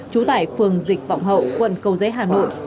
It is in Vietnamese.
chú tại phường dịch vọng hậu quận cầu dế hà nội